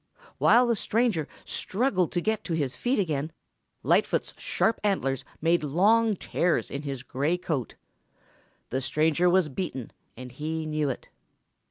While the stranger struggled to get to his feet again, Lightfoot's sharp antlers made long tears in his gray coat. The stranger was beaten and he knew it.